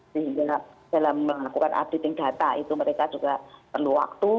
sehingga dalam melakukan updating data itu mereka juga perlu waktu